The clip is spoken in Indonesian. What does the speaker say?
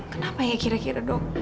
kenapa ya kira kira dok